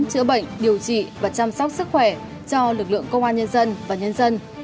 chữa bệnh điều trị và chăm sóc sức khỏe cho lực lượng công an nhân dân và nhân dân